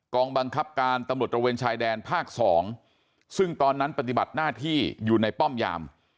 บังคับการตำรวจตระเวนชายแดนภาค๒ซึ่งตอนนั้นปฏิบัติหน้าที่อยู่ในป้อมยาม